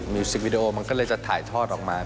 วสิกวิดีโอมันก็เลยจะถ่ายทอดออกมา